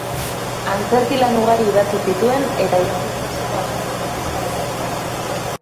Antzerki lan ugari idatzi zituen eta idazle klasiko askoren euskaratzailea.